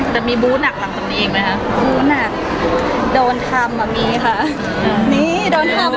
แต่มีบู๊นหนักหลังตรงนี้อีกไหมคะ